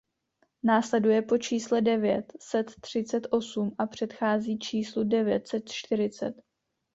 Následuje po čísle devět set třicet osm a předchází číslu devět set čtyřicet.